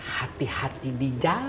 hati hati di jalan